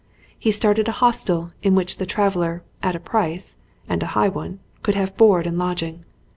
He started a hostel in which the traveller, at a price, and a high one, could have board and lodging.